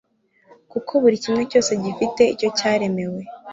kuko buri kintu cyose gifite icyo cyaremewe